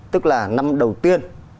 tức là năm đầu tiên